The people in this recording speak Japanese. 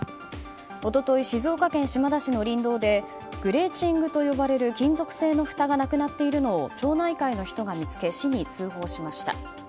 一昨日、静岡県島田市の林道でグレーチングと呼ばれる金属製のふたがなくなっているのを町内会の人が見つけ市に通報しました。